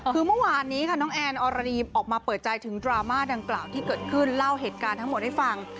คือเมื่อวานนี้ค่ะน้องแอนออรีมออกมาเปิดใจถึงดราม่าดังกล่าวที่เกิดขึ้นเล่าเหตุการณ์ทั้งหมดให้ฟัง